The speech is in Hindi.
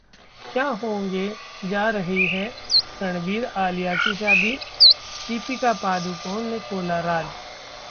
क्या होने जा रही है रणबीर-आलिया की शादी? दीपिका पादुकोण ने खोला राज